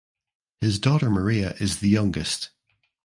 His daughter Maria is the youngest.